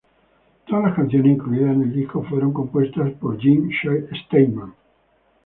Todas las canciones incluidas en el disco fueron compuestas por Jim Steinman.